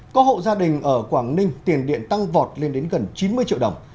có hộ gia đình ở quảng ninh tiền điện tăng vọt lên đến gần chín mươi triệu đồng